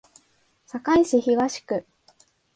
堺市東区